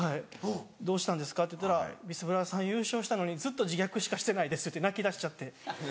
「どうしたんですか？」って言ったら「ビスブラさん優勝したのにずっと自虐しかしてないです」って泣きだしちゃって。